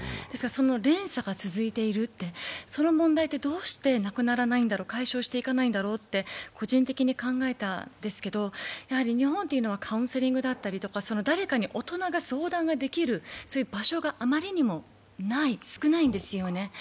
ですから、その連鎖が続いているって、その問題ってどうしてなくならないんだろう、解消していかないんだろうって個人的に考えたんですけど、日本はカウンセリングだったり、誰かに大人が相談ができる場所があまりにもない、少ないんですよね